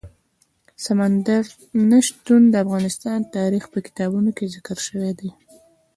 سمندر نه شتون د افغان تاریخ په کتابونو کې ذکر شوی دي.